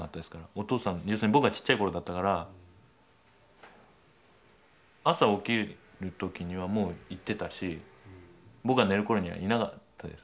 お父さん要するに僕がちっちゃい頃だったから朝起きる時にはもう行ってたし僕が寝る頃にはいなかったです。